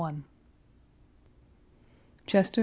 CHESTER, S.